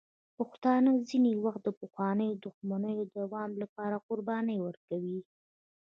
پښتانه ځینې وخت د پخوانیو دښمنیو د دوام لپاره قربانۍ ورکوي.